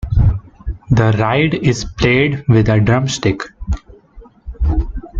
The ride is played with a drumstick.